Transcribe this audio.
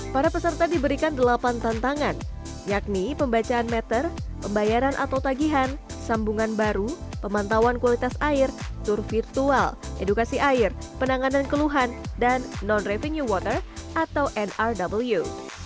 para peserta diberikan delapan tantangan yakni pembacaan meter pembayaran atau tagihan sambungan baru pemantauan kualitas air tur virtual edukasi air penanganan keluhan dan non revenue water atau nrw